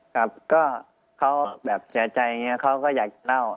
ครับก็เขาแบบเสียใจอย่างนี้เขาก็อยากเล่า